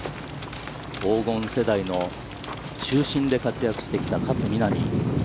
黄金世代の中心で活躍してきた勝みなみ。